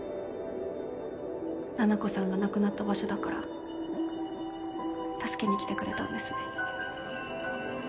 七菜子さんが亡くなった場所だから助けに来てくれたんですね。